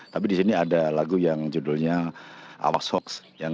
tapi disini ada lagu yang judulnya awas hoax